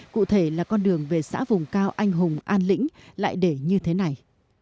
cụ thể là con đường về xã vùng cao anh hùng an lĩnh lại để như thế này